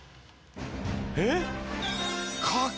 えっ？